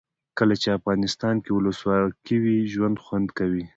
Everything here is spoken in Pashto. کله چې افغانستان کې ولسواکي وي ژوند خوند کوي.